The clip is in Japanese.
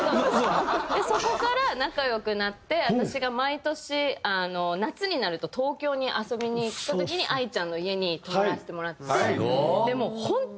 そこから仲良くなって私が毎年夏になると東京に遊びに行ってた時にＡＩちゃんの家に泊まらせてもらって。